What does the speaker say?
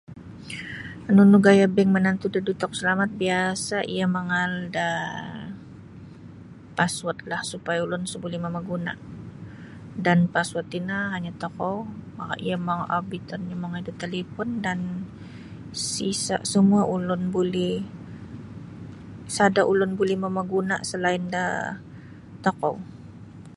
Nunu gaya bank manantu da duit tokou salamat biasa iyo mangaal da passwordlah supaya ulun sa buli mamaguna dan password tino hanya tokou mak iyo mong mongoi obiton da talipon dan isa semua ulun buli sada ulun buli mamaguna selain da tokou.